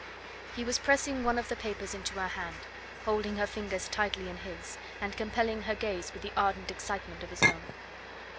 He was pressing one of the papers into her hand, holding her fingers tightly in his, and compelling her gaze with the ardent excitement of his own.